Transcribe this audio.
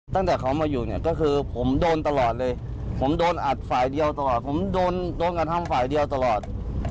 ตั้งแต่เขามาอยู่เนี่ยก็คือผมโดนตลอดเลยผมโดนอัดฝ่ายเดียวตลอด